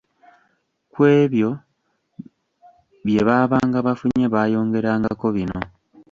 Ku ebyo bye baabanga bafunye baayongerangako bino